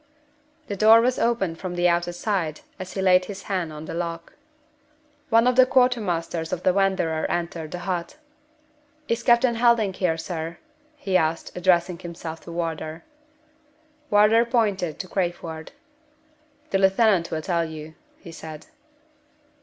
The door was opened from the outer side as he laid his hand on the lock. One of the quartermasters of the Wanderer entered the hut. "Is Captain Helding here, sir?" he asked, addressing himself to Wardour. Wardour pointed to Crayford. "The lieutenant will tell you," he said.